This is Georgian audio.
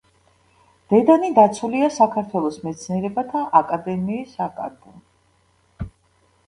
დედანი დაცულია საქართველოს მეცნიერებათა აკადემიის აკად.